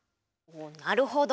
なるほど！